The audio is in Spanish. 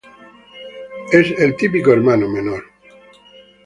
Es el típico hermano menor.